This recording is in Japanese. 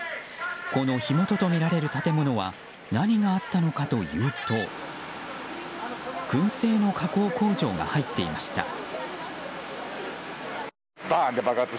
この火元とみられる建物は何があったのかというと燻製の加工工場が入っていました。